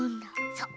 そう！